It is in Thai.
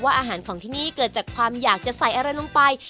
อาหารของที่นี่เกิดจากความอยากจะใส่อะไรลงไป